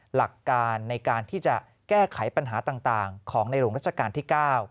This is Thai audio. หลักการในการที่จะแก้ไขปัญหาต่างของในหลวงรัชกาลที่๙